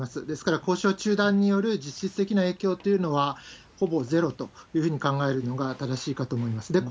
ですから、交渉中断による実質的な影響というのは、ほぼゼロというふうに考えるのが正しいかと思います。